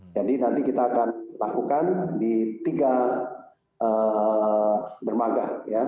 jadi nanti kita akan lakukan di tiga dermaga